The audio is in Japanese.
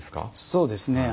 そうですね。